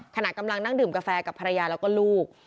ขณะกำลังนั่งดื่มกาแฟกับภรรยาแล้วก็ลูก